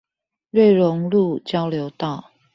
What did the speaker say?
瑞隆路交流道